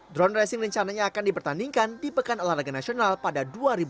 drone racing rencananya akan dipertandingkan di pekan olahraga nasional pada dua ribu dua puluh